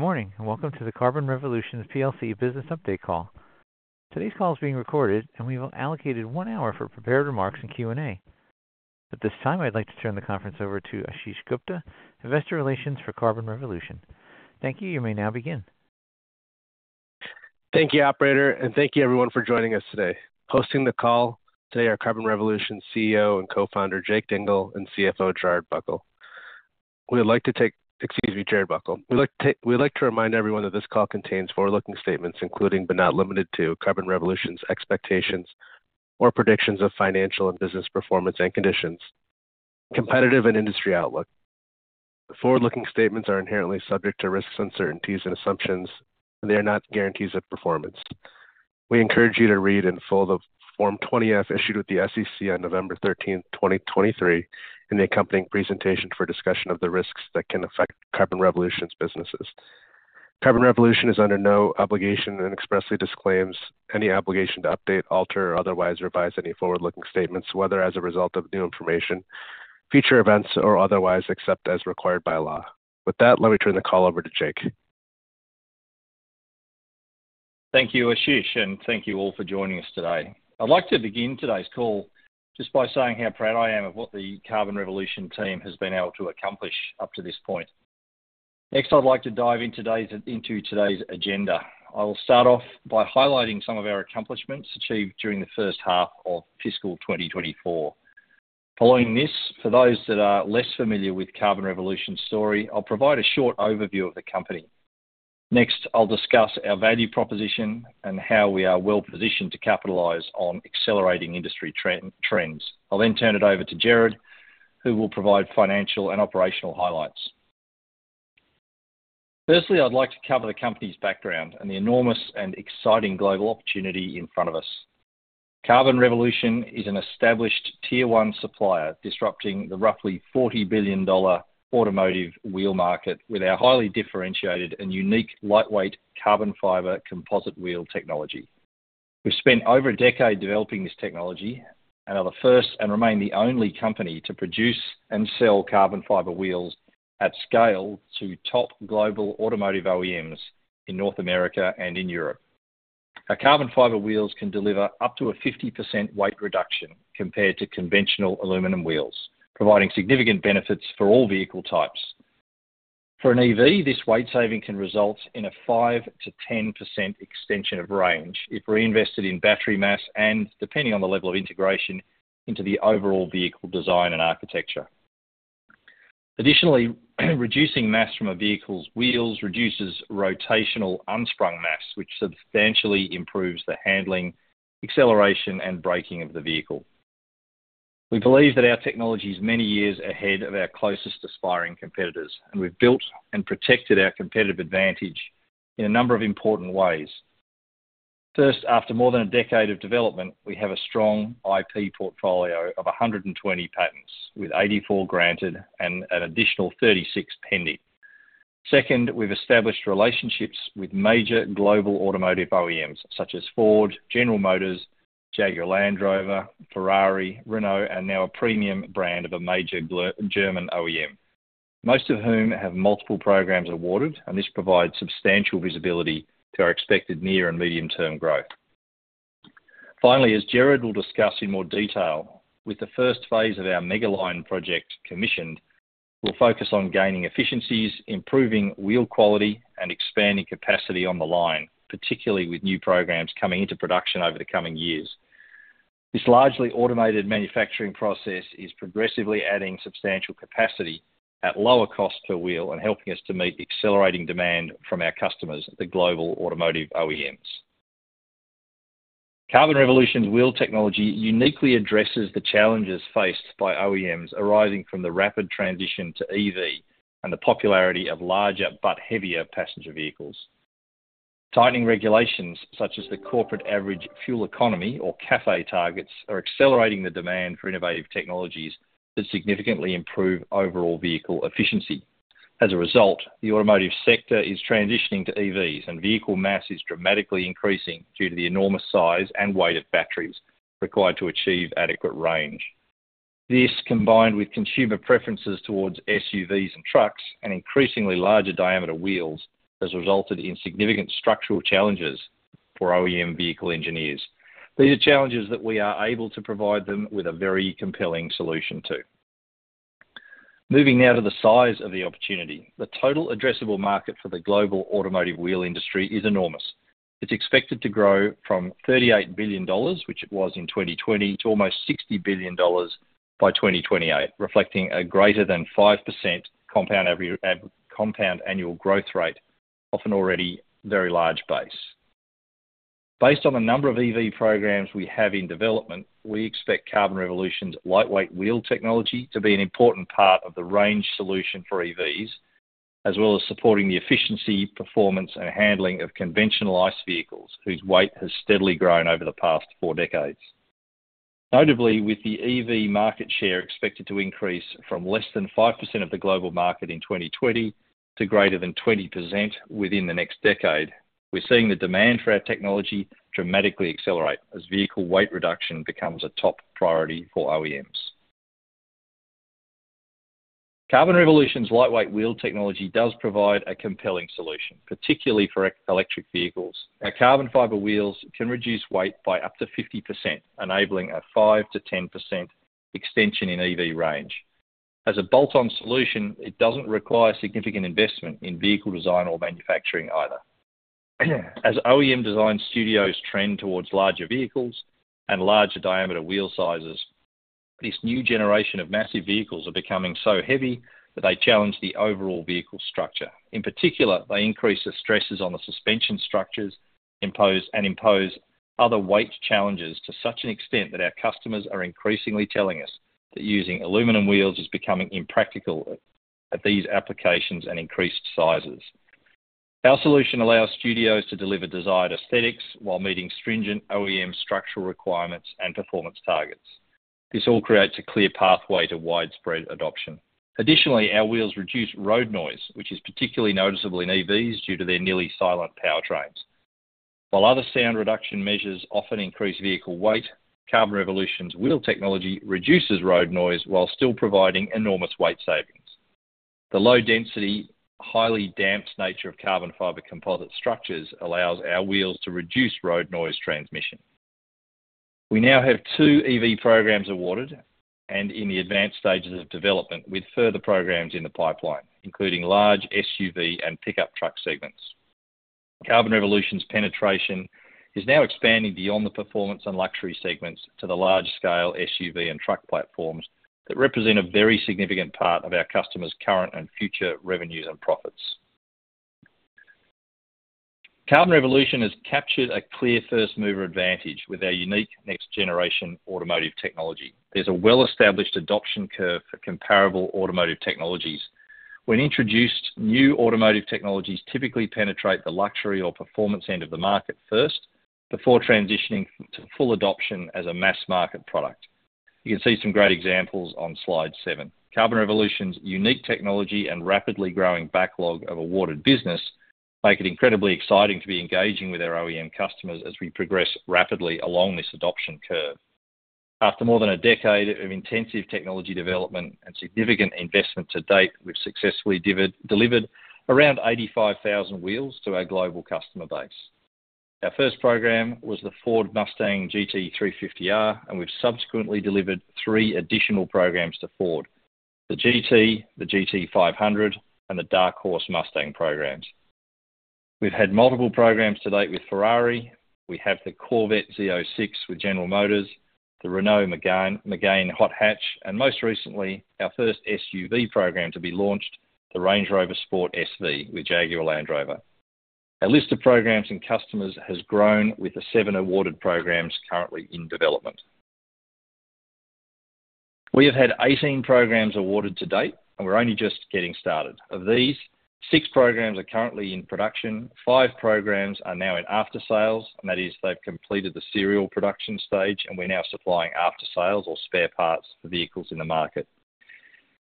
Good morning, and welcome to the Carbon Revolution plc's Business Update call. Today's call is being recorded, and we've allocated one hour for prepared remarks and Q&A. At this time, I'd like to turn the conference over to Ashish Gupta, Investor Relations for Carbon Revolution. Thank you. You may now begin. Thank you, operator, and thank you, everyone, for joining us today. Hosting the call today are Carbon Revolution CEO and co-founder, Jake Dingle, and CFO, Gerard Buckle. We'd like to remind everyone that this call contains forward-looking statements, including but not limited to, Carbon Revolution's expectations or predictions of financial and business performance and conditions, competitive and industry outlook. The forward-looking statements are inherently subject to risks, uncertainties, and assumptions, and they are not guarantees of performance. We encourage you to read in full the Form 20-F issued with the SEC on November 13, 2023, and the accompanying presentation for a discussion of the risks that can affect Carbon Revolution's businesses. Carbon Revolution is under no obligation and expressly disclaims any obligation to update, alter, or otherwise revise any forward-looking statements, whether as a result of new information, future events, or otherwise, except as required by law. With that, let me turn the call over to Jake. Thank you, Ashish, and thank you all for joining us today. I'd like to begin today's call just by saying how proud I am of what the Carbon Revolution team has been able to accomplish up to this point. Next, I'd like to dive into today's agenda. I will start off by highlighting some of our accomplishments achieved during the first half of fiscal 2024. Following this, for those that are less familiar with Carbon Revolution's story, I'll provide a short overview of the company. Next, I'll discuss our value proposition and how we are well-positioned to capitalize on accelerating industry trends. I'll then turn it over to Gerard, who will provide financial and operational highlights. Firstly, I'd like to cover the company's background and the enormous and exciting global opportunity in front of us. Carbon Revolution is an established Tier 1 supplier, disrupting the roughly $40 billion automotive wheel market with our highly differentiated and unique lightweight carbon fiber composite wheel technology. We've spent over a decade developing this technology and are the first and remain the only company to produce and sell carbon fiber wheels at scale to top global automotive OEMs in North America and in Europe. Our carbon fiber wheels can deliver up to a 50% weight reduction compared to conventional aluminum wheels, providing significant benefits for all vehicle types. For an EV, this weight saving can result in a 5%-10% extension of range if reinvested in battery mass and depending on the level of integration into the overall vehicle design and architecture. Additionally, reducing mass from a vehicle's wheels reduces rotational unsprung mass, which substantially improves the handling, acceleration, and braking of the vehicle. We believe that our technology is many years ahead of our closest aspiring competitors, and we've built and protected our competitive advantage in a number of important ways. First, after more than a decade of development, we have a strong IP portfolio of 120 patents, with 84 granted and an additional 36 pending. Second, we've established relationships with major global automotive OEMs such as Ford, General Motors, Jaguar Land Rover, Ferrari, Renault, and now a premium brand of a major German OEM. Most of whom have multiple programs awarded, and this provides substantial visibility to our expected near and medium-term growth. Finally, as Gerard will discuss in more detail, with the first phase of our Mega-line project commissioned, we'll focus on gaining efficiencies, improving wheel quality, and expanding capacity on the line, particularly with new programs coming into production over the coming years. This largely automated manufacturing process is progressively adding substantial capacity at lower cost per wheel and helping us to meet the accelerating demand from our customers, the global automotive OEMs. Carbon Revolution's wheel technology uniquely addresses the challenges faced by OEMs arising from the rapid transition to EV and the popularity of larger but heavier passenger vehicles. Tightening regulations such as the Corporate Average Fuel Economy, or CAFE targets, are accelerating the demand for innovative technologies that significantly improve overall vehicle efficiency. As a result, the automotive sector is transitioning to EVs, and vehicle mass is dramatically increasing due to the enormous size and weight of batteries required to achieve adequate range. This, combined with consumer preferences towards SUVs and trucks and increasingly larger diameter wheels, has resulted in significant structural challenges for OEM vehicle engineers. These are challenges that we are able to provide them with a very compelling solution to. Moving now to the size of the opportunity. The total addressable market for the global automotive wheel industry is enormous. It's expected to grow from $38 billion, which it was in 2020, to almost $60 billion by 2028, reflecting a greater than 5% compound annual growth rate off an already very large base. Based on the number of EV programs we have in development, we expect Carbon Revolution's lightweight wheel technology to be an important part of the range solution for EVs, as well as supporting the efficiency, performance, and handling of conventional ICE vehicles, whose weight has steadily grown over the past four decades. Notably, with the EV market share expected to increase from less than 5% of the global market in 2020 to greater than 20% within the next decade, we're seeing the demand for our technology dramatically accelerate as vehicle weight reduction becomes a top priority for OEMs. Carbon Revolution's lightweight wheel technology does provide a compelling solution, particularly for electric vehicles. Our carbon fiber wheels can reduce weight by up to 50%, enabling a 5%-10% extension in EV range. As a bolt-on solution, it doesn't require significant investment in vehicle design or manufacturing either. As OEM design studios trend towards larger vehicles and larger diameter wheel sizes, this new generation of massive vehicles are becoming so heavy that they challenge the overall vehicle structure. In particular, they increase the stresses on the suspension structures, and impose other weight challenges to such an extent that our customers are increasingly telling us that using aluminum wheels is becoming impractical at these applications and increased sizes. Our solution allows studios to deliver desired aesthetics while meeting stringent OEM structural requirements and performance targets. This all creates a clear pathway to widespread adoption. Additionally, our wheels reduce road noise, which is particularly noticeable in EVs due to their nearly silent powertrains. While other sound reduction measures often increase vehicle weight, Carbon Revolution's wheel technology reduces road noise while still providing enormous weight savings. The low density, highly damped nature of carbon fiber composite structures allows our wheels to reduce road noise transmission. We now have two EV programs awarded and in the advanced stages of development, with further programs in the pipeline, including large SUV and pickup truck segments. Carbon Revolution's penetration is now expanding beyond the performance and luxury segments to the large-scale SUV and truck platforms that represent a very significant part of our customers' current and future revenues and profits. Carbon Revolution has captured a clear first-mover advantage with our unique next-generation automotive technology. There's a well-established adoption curve for comparable automotive technologies. When introduced, new automotive technologies typically penetrate the luxury or performance end of the market first, before transitioning to full adoption as a mass-market product. You can see some great examples on slide seven. Carbon Revolution's unique technology and rapidly growing backlog of awarded business make it incredibly exciting to be engaging with our OEM customers as we progress rapidly along this adoption curve. After more than a decade of intensive technology development and significant investment to date, we've successfully delivered around 85,000 wheels to our global customer base. Our first program was the Ford Mustang GT350R, and we've subsequently delivered three additional programs to Ford: the GT, the GT500, and the Dark Horse Mustang programs. We've had multiple programs to date with Ferrari. We have the Corvette Z06 with General Motors, the Renault Megane, Megane hot hatch, and most recently, our first SUV program to be launched, the Range Rover Sport SV with Jaguar Land Rover. Our list of programs and customers has grown with the seven awarded programs currently in development. We have had 18 programs awarded to date, and we're only just getting started. Of these, six programs are currently in production, five programs are now in aftersales, and that is they've completed the serial production stage, and we're now supplying aftersales or spare parts for vehicles in the market.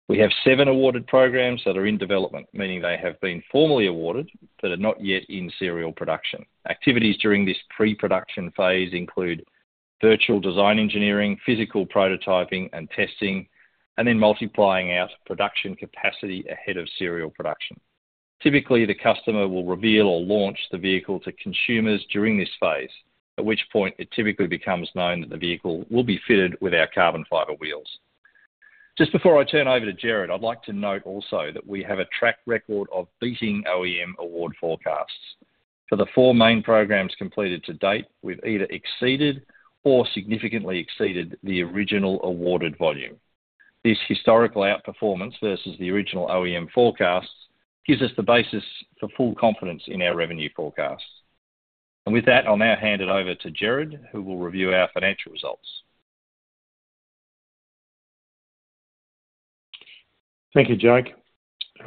We have seven awarded programs that are in development, meaning they have been formally awarded but are not yet in serial production. Activities during this pre-production phase include virtual design, engineering, physical prototyping and testing, and then multiplying out production capacity ahead of serial production. Typically, the customer will reveal or launch the vehicle to consumers during this phase, at which point it typically becomes known that the vehicle will be fitted with our carbon fiber wheels. Just before I turn over to Gerard, I'd like to note also that we have a track record of beating OEM award forecasts. For the four main programs completed to date, we've either exceeded or significantly exceeded the original awarded volume. This historical outperformance versus the original OEM forecasts gives us the basis for full confidence in our revenue forecasts. With that, I'll now hand it over to Gerard, who will review our financial results. Thank you, Jake.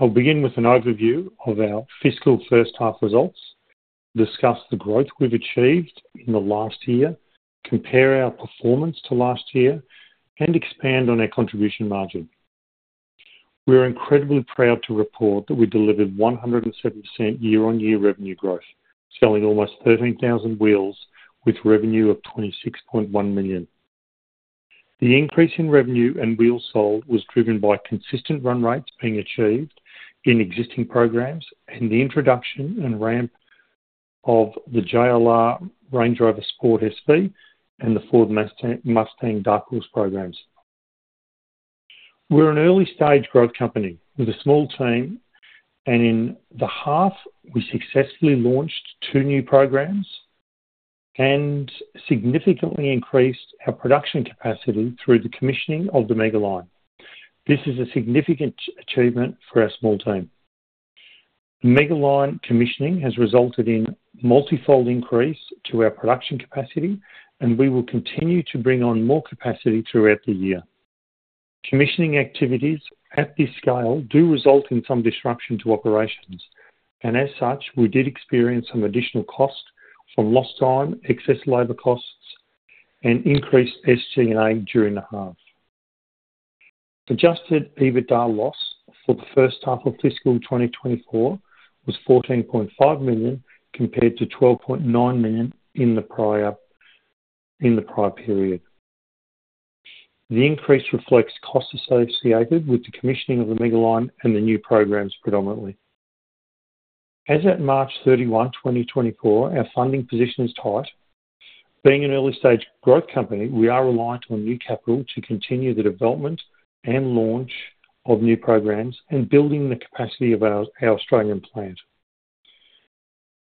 I'll begin with an overview of our fiscal first half results, discuss the growth we've achieved in the last year, compare our performance to last year, and expand on our contribution margin. We are incredibly proud to report that we delivered 107% year-on-year revenue growth, selling almost 13,000 wheels with revenue of $26.1 million. The increase in revenue and wheels sold was driven by consistent run rates being achieved in existing programs and the introduction and ramp of the JLR Range Rover Sport SV and the Ford Mustang Dark Horse programs. We're an early-stage growth company with a small team, and in the half, we successfully launched two new programs and significantly increased our production capacity through the commissioning of the Mega Line. This is a significant achievement for our small team. The Mega Line commissioning has resulted in multifold increase to our production capacity, and we will continue to bring on more capacity throughout the year. Commissioning activities at this scale do result in some disruption to operations, and as such, we did experience some additional costs from lost time, excess labor costs, and increased SG&A during the half. Adjusted EBITDA loss for the first half of fiscal 2024 was $14.5 million, compared to $12.9 million in the prior period. The increase reflects costs associated with the commissioning of the Mega Line and the new programs predominantly. As at March 31, 2024, our funding position is tight. Being an early-stage growth company, we are reliant on new capital to continue the development and launch of new programs, and building the capacity of our Australian plant.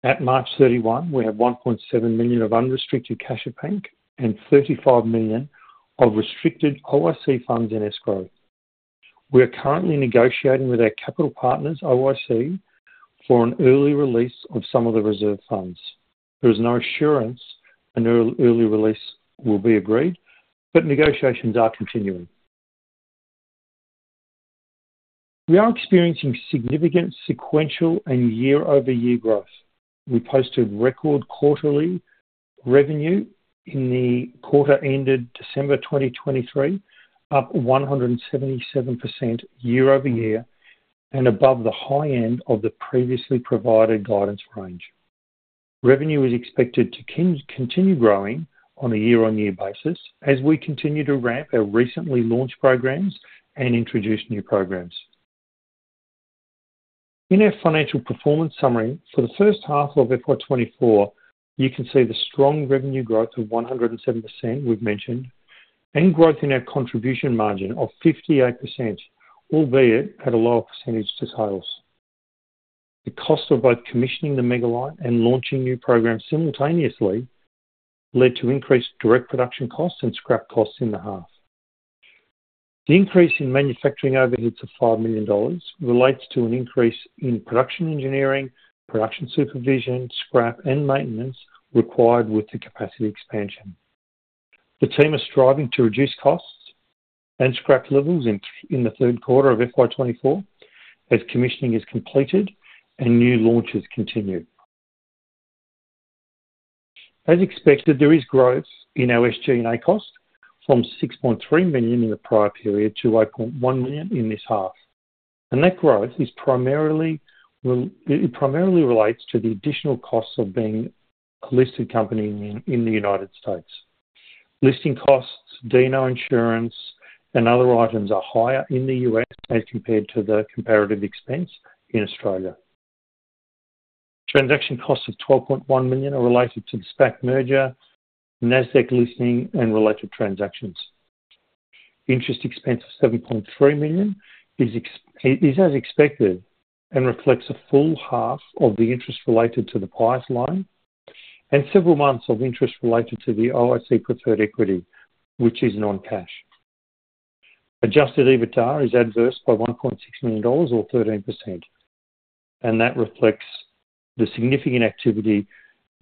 At March 31, we had $1.7 million of unrestricted cash in bank and $35 million of restricted OIC funds in escrow. We are currently negotiating with our capital partners, OIC, for an early release of some of the reserve funds. There is no assurance an early release will be agreed, but negotiations are continuing. We are experiencing significant sequential and year-over-year growth. We posted record quarterly revenue in the quarter ended December 2023, up 177% year-over-year, and above the high end of the previously provided guidance range. Revenue is expected to continue growing on a year-on-year basis, as we continue to ramp our recently launched programs and introduce new programs. In our financial performance summary, for the first half of FY 2024, you can see the strong revenue growth of 107% we've mentioned, and growth in our contribution margin of 58%, albeit at a lower percentage to sales. The cost of both commissioning the Mega Line and launching new programs simultaneously led to increased direct production costs and scrap costs in the half. The increase in manufacturing overheads of $5 million relates to an increase in production engineering, production supervision, scrap, and maintenance required with the capacity expansion. The team is striving to reduce costs and scrap levels in the third quarter of FY 2024 as commissioning is completed and new launches continue. As expected, there is growth in our SG&A costs from $6.3 million in the prior period to $8.1 million in this half. That growth is primarily it primarily relates to the additional costs of being a listed company in the United States. Listing costs, D&O insurance, and other items are higher in the U.S. as compared to the comparative expense in Australia. Transaction costs of $12.1 million are related to the SPAC merger, NASDAQ listing, and related transactions. Interest expense of $7.3 million is as expected, and reflects a full half of the interest related to the PIUS line, and several months of interest related to the OIC preferred equity, which is non-cash. Adjusted EBITDA is adverse by $1.6 million or 13%, and that reflects the significant activity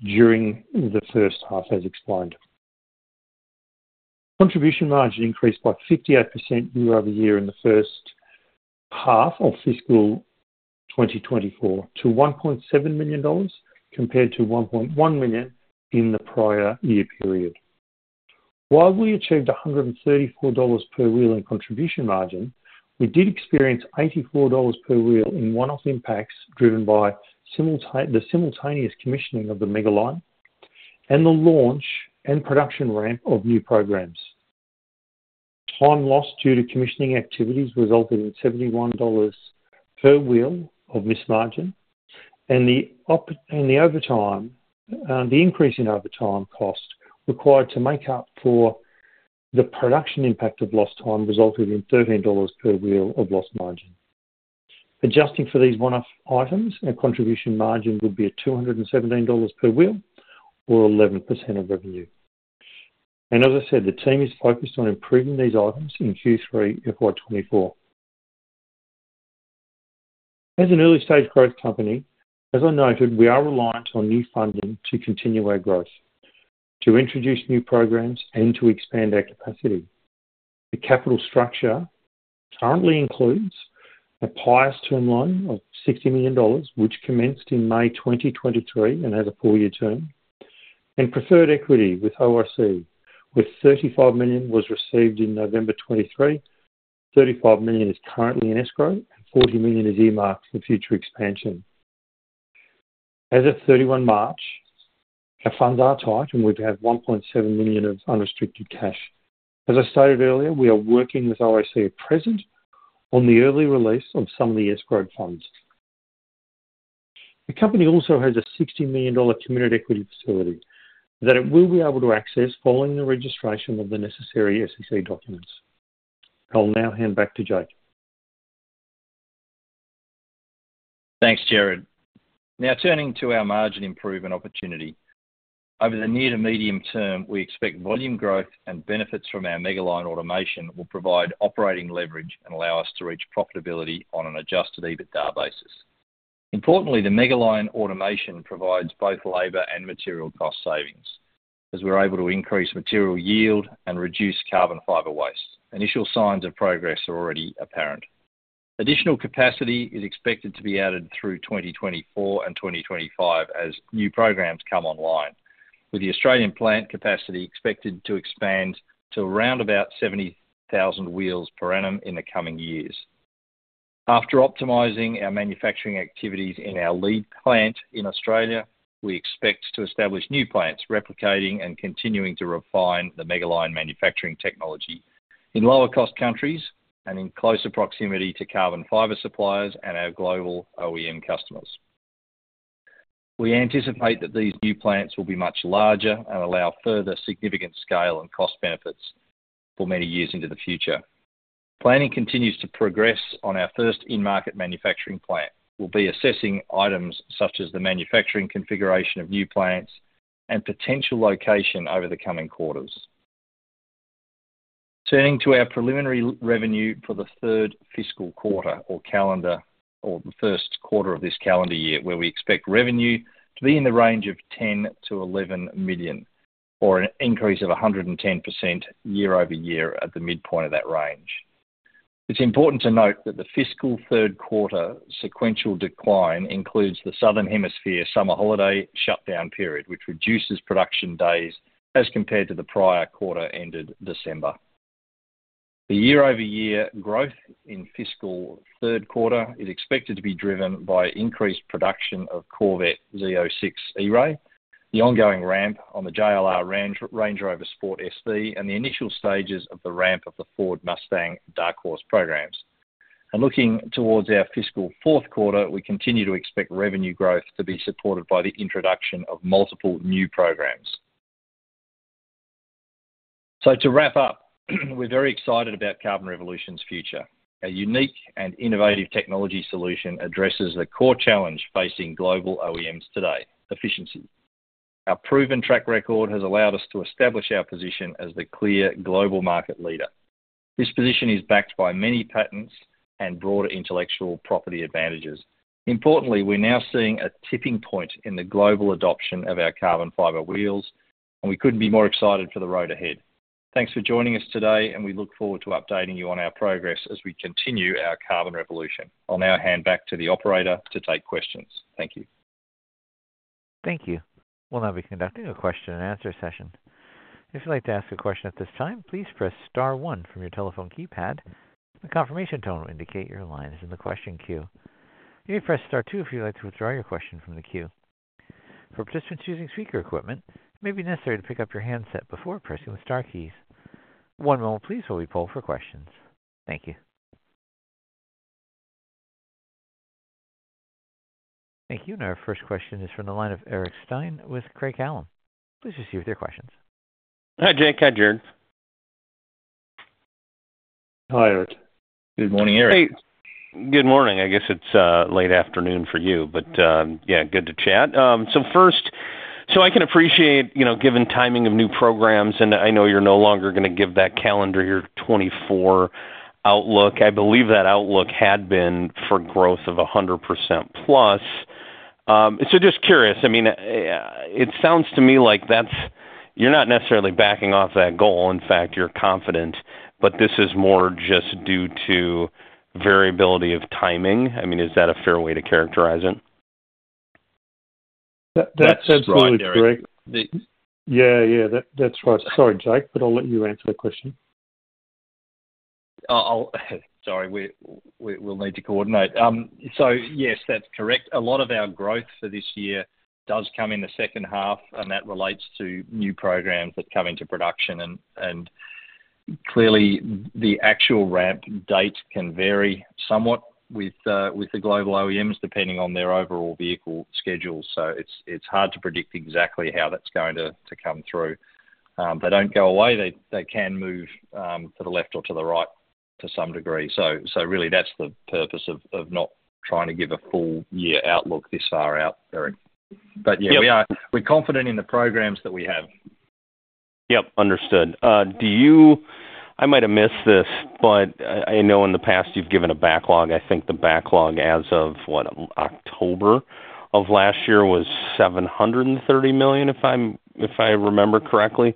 during the first half, as explained. Contribution margin increased by 58% year over year in the first half of fiscal 2024 to $1.7 million, compared to $1.1 million in the prior year period. While we achieved $134 per wheel in contribution margin, we did experience $84 per wheel in one-off impacts, driven by the simultaneous commissioning of the Mega Line and the launch and production ramp of new programs. Time lost due to commissioning activities resulted in $71 per wheel of missed margin, and the overtime, the increase in overtime cost required to make up for the production impact of lost time, resulted in $13 per wheel of lost margin. Adjusting for these one-off items, our contribution margin would be at $217 per wheel or 11% of revenue. As I said, the team is focused on improving these items in Q3 FY 2024. As an early-stage growth company, as I noted, we are reliant on new funding to continue our growth, to introduce new programs, and to expand our capacity. The capital structure currently includes a PIUS term loan of $60 million, which commenced in May 2023 and has a four-year term, and preferred equity with OIC, where $35 million was received in November 2023, $35 million is currently in escrow, and $40 million is earmarked for future expansion. As of 31 March, our funds are tight, and we've had $1.7 million of unrestricted cash. As I stated earlier, we are working with OIC at present on the early release of some of the escrowed funds. The company also has a $60 million committed equity facility that it will be able to access following the registration of the necessary SEC documents. I'll now hand back to Jake. Thanks, Gerard. Now, turning to our margin improvement opportunity. Over the near to medium term, we expect volume growth and benefits from our Mega Line automation will provide operating leverage and allow us to reach profitability on an Adjusted EBITDA basis. Importantly, the Mega Line automation provides both labor and material cost savings, as we're able to increase material yield and reduce carbon fiber waste. Initial signs of progress are already apparent. Additional capacity is expected to be added through 2024 and 2025 as new programs come online, with the Australian plant capacity expected to expand to around about 70,000 wheels per annum in the coming years. After optimizing our manufacturing activities in our lead plant in Australia, we expect to establish new plants, replicating and continuing to refine the Mega Line manufacturing technology in lower-cost countries and in closer proximity to carbon fiber suppliers and our global OEM customers. We anticipate that these new plants will be much larger and allow further significant scale and cost benefits for many years into the future. Planning continues to progress on our first in-market manufacturing plant. We'll be assessing items such as the manufacturing configuration of new plants and potential location over the coming quarters. Turning to our preliminary revenue for the third fiscal quarter or calendar, or the first quarter of this calendar year, where we expect revenue to be in the range of $10 million-$11 million, or an increase of 110% year-over-year at the midpoint of that range. It's important to note that the fiscal third quarter sequential decline includes the Southern Hemisphere summer holiday shutdown period, which reduces production days as compared to the prior quarter, ended December. The year-over-year growth in fiscal third quarter is expected to be driven by increased production of Corvette Z06 E-Ray, the ongoing ramp on the JLR Range, Range Rover Sport SV, and the initial stages of the ramp of the Ford Mustang Dark Horse programs. Looking towards our fiscal fourth quarter, we continue to expect revenue growth to be supported by the introduction of multiple new programs. So to wrap up, we're very excited about Carbon Revolution's future. Our unique and innovative technology solution addresses the core challenge facing global OEMs today: efficiency. Our proven track record has allowed us to establish our position as the clear global market leader. This position is backed by many patents and broader intellectual property advantages. Importantly, we're now seeing a tipping point in the global adoption of our carbon fiber wheels, and we couldn't be more excited for the road ahead. Thanks for joining us today, and we look forward to updating you on our progress as we continue our carbon revolution. I'll now hand back to the operator to take questions. Thank you. Thank you. We'll now be conducting a question-and-answer session. If you'd like to ask a question at this time, please press star one from your telephone keypad. A confirmation tone will indicate your line is in the question queue. You may press star two if you'd like to withdraw your question from the queue. For participants using speaker equipment, it may be necessary to pick up your handset before pressing the star keys. One moment please while we poll for questions. Thank you. Thank you. And our first question is from the line of Eric Stine with Craig-Hallum. Please proceed with your questions. Hi, Jake. Hi, Gerard. Hi, Eric. Good morning, Eric. Hey. Good morning. I guess it's late afternoon for you, but yeah, good to chat. So first, so I can appreciate, you know, given timing of new programs, and I know you're no longer gonna give that calendar year 2024 outlook. I believe that outlook had been for growth of 100%+. So just curious, I mean, it sounds to me like that's you're not necessarily backing off that goal. In fact, you're confident, but this is more just due to variability of timing. I mean, is that a fair way to characterize it? That's absolutely correct. That's right, Eric. Yeah, yeah, that, that's right. Sorry, Jake, but I'll let you answer the question. Sorry, we'll need to coordinate. So yes, that's correct. A lot of our growth for this year does come in the second half, and that relates to new programs that come into production. Clearly, the actual ramp date can vary somewhat with the global OEMs, depending on their overall vehicle schedule. So it's hard to predict exactly how that's going to come through. They don't go away. They can move to the left or to the right to some degree. So really, that's the purpose of not trying to give a full year outlook this far out, Eric. Yep. Yeah, we're confident in the programs that we have. Yep, understood. Do you... I might have missed this, but I know in the past you've given a backlog. I think the backlog as of, what, October of last year was $730 million, if I'm, if I remember correctly.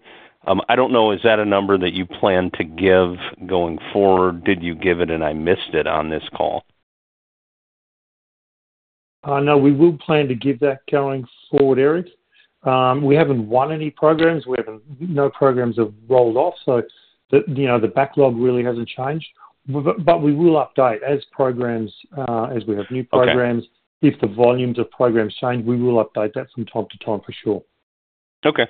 I don't know, is that a number that you plan to give going forward? Did you give it and I missed it on this call? No, we will plan to give that going forward, Eric. We haven't won any programs. No programs have rolled off, so, you know, the backlog really hasn't changed. But we will update as programs as we have new programs. Okay. If the volumes of programs change, we will update that from time to time, for sure. Okay.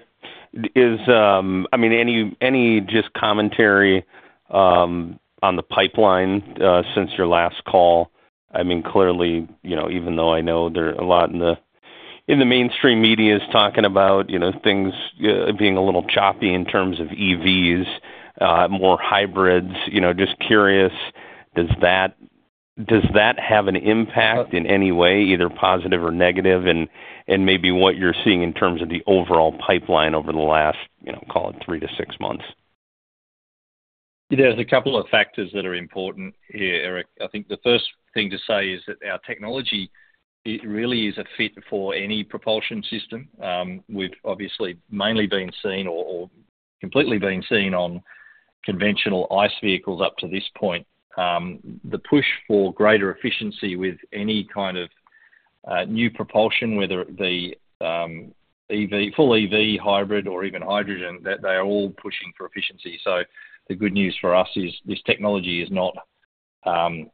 Is, I mean, any just commentary on the pipeline since your last call? I mean, clearly, you know, even though I know there are a lot in the mainstream media talking about, you know, things being a little choppy in terms of EVs, more hybrids. You know, just curious, does that have an impact in any way, either positive or negative, and maybe what you're seeing in terms of the overall pipeline over the last, you know, call it three to six months? There's a couple of factors that are important here, Eric. I think the first thing to say is that our technology, it really is a fit for any propulsion system. We've obviously mainly been seen or completely been seen on conventional ICE vehicles up to this point. The push for greater efficiency with new propulsion, whether it be EV, full EV, hybrid, or even hydrogen, that they are all pushing for efficiency. So the good news for us is, this technology is not,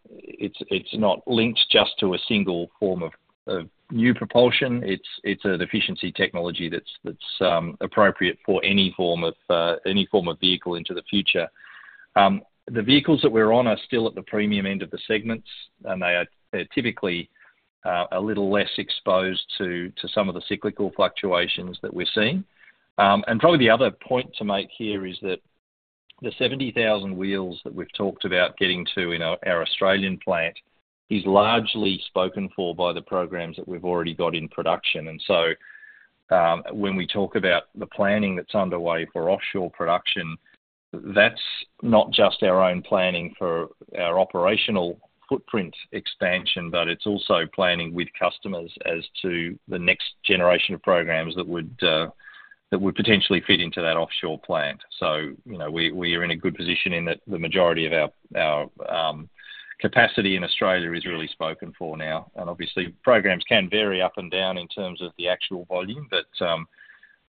it's not linked just to a single form of new propulsion. It's an efficiency technology that's appropriate for any form of vehicle into the future. The vehicles that we're on are still at the premium end of the segments, and they are, they're typically, a little less exposed to, to some of the cyclical fluctuations that we're seeing. And probably the other point to make here is that the 70,000 wheels that we've talked about getting to in our, our Australian plant is largely spoken for by the programs that we've already got in production. And so, when we talk about the planning that's underway for offshore production, that's not just our own planning for our operational footprint expansion, but it's also planning with customers as to the next generation of programs that would, that would potentially fit into that offshore plant. So, you know, we, we are in a good position in that the majority of our, our, capacity in Australia is really spoken for now. Obviously, programs can vary up and down in terms of the actual volume, but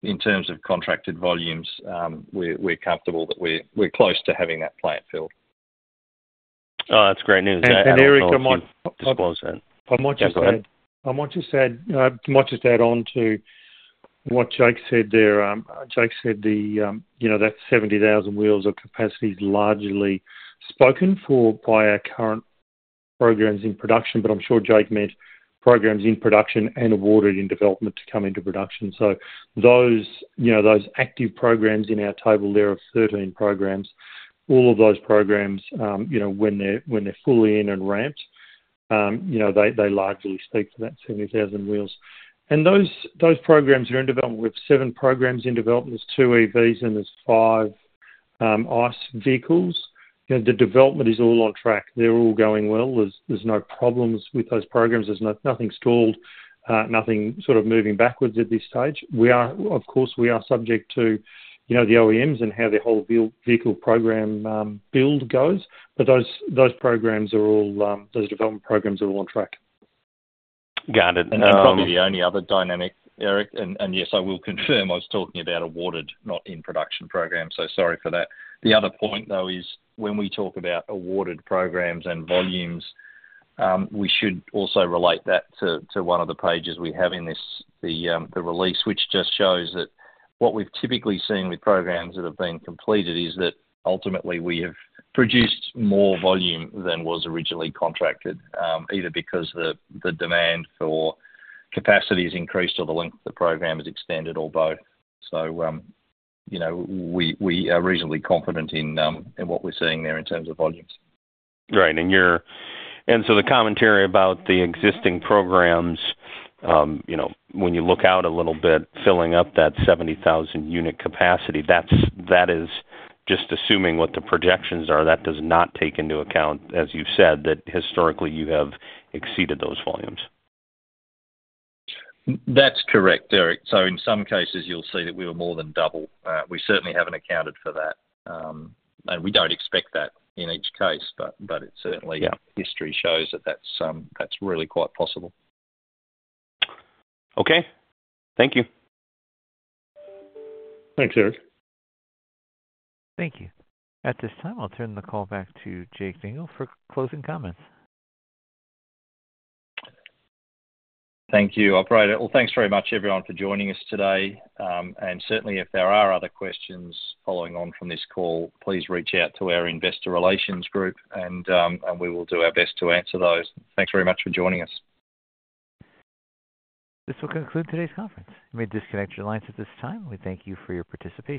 in terms of contracted volumes, we're comfortable that we're close to having that plant filled. Oh, that's great news. And then, Eric, I might- Disclose that. I might just add on to what Jake said there. Jake said the, you know, that 70,000 wheels of capacity is largely spoken for by our current programs in production, but I'm sure Jake meant programs in production and awarded in development to come into production. So those, you know, those active programs in our table, there are 13 programs. All of those programs, you know, when they're, when they're fully in and ramped, you know, they, they largely speak to that 70,000 wheels. And those, those programs are in development. We have seven programs in development. There's two EVs, and there's five ICE vehicles. You know, the development is all on track. They're all going well. There's, there's no problems with those programs. There's nothing stalled, nothing sort of moving backwards at this stage. We are. Of course, we are subject to, you know, the OEMs and how their whole vehicle program build goes, but those development programs are all on track. Got it. Then probably the only other dynamic, Eric, and yes, I will confirm I was talking about awarded, not in-production programs, so sorry for that. The other point, though, is when we talk about awarded programs and volumes, we should also relate that to one of the pages we have in this, the release, which just shows that what we've typically seen with programs that have been completed is that ultimately we have produced more volume than was originally contracted, either because the demand for capacity is increased or the length of the program is extended, or both. So, you know, we are reasonably confident in what we're seeing there in terms of volumes. Right. And so the commentary about the existing programs, you know, when you look out a little bit, filling up that 70,000 unit capacity, that's, that is just assuming what the projections are. That does not take into account, as you've said, that historically you have exceeded those volumes. That's correct, Eric. So in some cases, you'll see that we were more than double. We certainly haven't accounted for that, and we don't expect that in each case. But, but it certainly- Yeah... history shows that that's, that's really quite possible. Okay. Thank you. Thanks, Eric. Thank you. At this time, I'll turn the call back to Jake Dingle for closing comments. Thank you, operator. Well, thanks very much, everyone, for joining us today. And certainly, if there are other questions following on from this call, please reach out to our investor relations group, and we will do our best to answer those. Thanks very much for joining us. This will conclude today's conference. You may disconnect your lines at this time. We thank you for your participation.